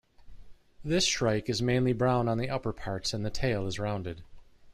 This shrike is mainly brown on the upper parts and the tail is rounded.